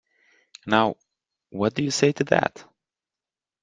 Now, what do you say to that?